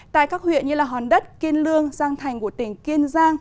tại các huyện như hòn đất kiên lương giang thành của tỉnh kiên giang